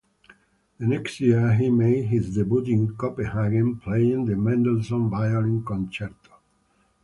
The next year he made his debut in Copenhagen playing the Mendelssohn Violin Concerto.